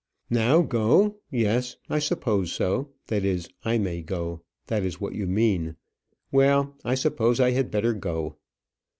"Now go! yes; I suppose so. That is, I may go. That is what you mean. Well, I suppose I had better go."